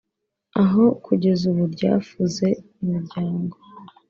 aho kugeza ubu ryafuze imiryango